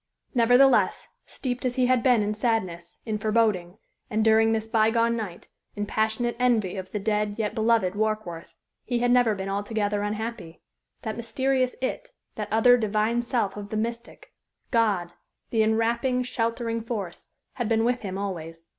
Nevertheless, steeped as he had been in sadness, in foreboding, and, during this by gone night, in passionate envy of the dead yet beloved Warkworth, he had never been altogether unhappy. That mysterious It that other divine self of the mystic God the enwrapping, sheltering force had been with him always.